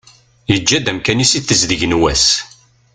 Yeǧǧa-d amkan-is i tezdeg n wass.